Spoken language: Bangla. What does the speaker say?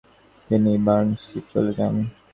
তিনি বারানসী চলে যান।